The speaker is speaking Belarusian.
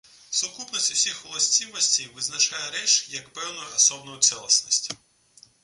Сукупнасць усіх уласцівасцей вызначае рэч як пэўную асобную цэласнасць.